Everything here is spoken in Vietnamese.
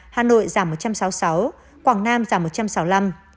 hà nội giảm một trăm sáu mươi sáu quảng nam giảm một trăm sáu mươi năm